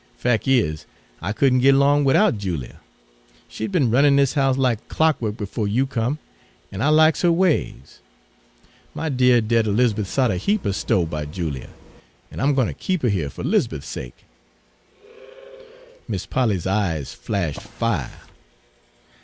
Fac' is, I couldn' git 'long widout Julia. She'd be'n runnin' dis house like clockwo'k befo' you come, an' I likes her ways. My dear, dead 'Liz'beth sot a heap er sto' by Julia, an' I'm gwine ter keep her here fer 'Liz'beth's sake.' "Mis' Polly's eyes flash' fire.